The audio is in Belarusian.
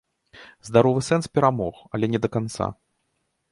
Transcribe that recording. Здаровы сэнс перамог, але не да канца.